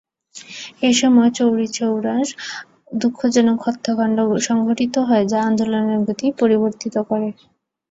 এ সময় চৌরিচৌরার দুঃখজনক হত্যাকান্ড সংঘটিত হয় যা আন্দোলনের গতি পরিবর্তন করে।